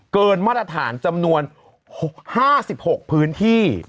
มาตรฐานจำนวน๕๖พื้นที่